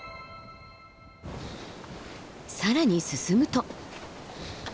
更に進むと。